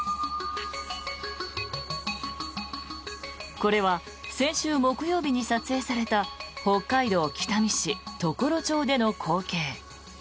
これは先週木曜日に撮影された北海道北見市常呂町での光景。